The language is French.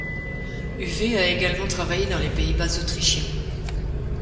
Huvé a également travaillé dans les Pays-Bas autrichiens.